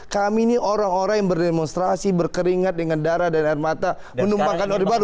kami ini orang orang yang berdemonstrasi berkeringat dengan darah dan air mata menumpangkan orde baru